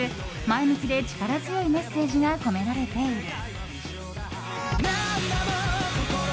前向きで力強いメッセージが込められている。